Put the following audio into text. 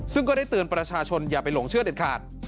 ซึ่งก็ได้เตือนประชาชนอย่าไปหลงเชื่อเด็ดขาด